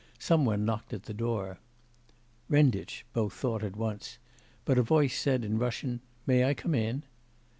Some one knocked at the door. 'Renditch,' both thought at once, but a voice said in Russian, 'May I come in?